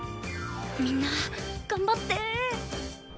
みんな頑張って！